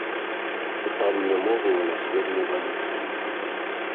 Пытанне мовы ў нас вельмі балючае.